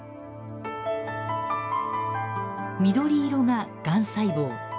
緑色ががん細胞。